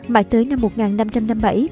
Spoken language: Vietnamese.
mãi tới năm một nghìn năm trăm năm mươi bảy